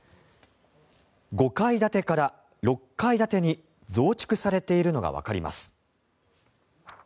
５階建てから６階建てに増築されているのがわかります。